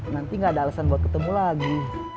nanti gak ada alasan buat ketemu lagi